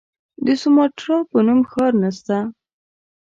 د سوماټرا په نوم ښار نسته.